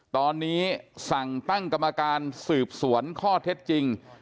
ตอนนี้สั่งตั้งกรรมการสืบสวนข้อเท็จจริง